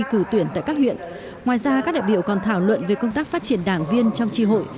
cử tuyển tại các huyện ngoài ra các đại biểu còn thảo luận về công tác phát triển đảng viên trong tri hội